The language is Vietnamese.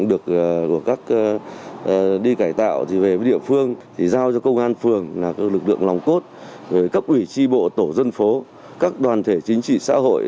được các đi cải tạo về địa phương thì giao cho công an phường lực lượng lòng cốt cấp ủy tri bộ tổ dân phố các đoàn thể chính trị xã hội